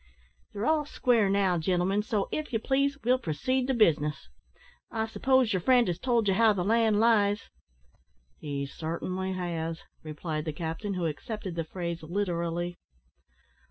"They're all square now, gentlemen, so, if you please, we'll proceed to business. I suppose your friend has told you how the land lies?" "He certainly has," replied the captain, who accepted the phrase literally.